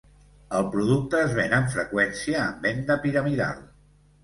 El producte es ven amb freqüència en venda piramidal.